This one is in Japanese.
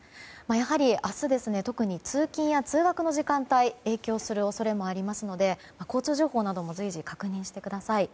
やはり、明日は特に通勤や通学の時間帯影響する恐れもありますので交通情報なども随時、確認してください。